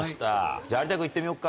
じゃあ有田君行ってみよっか。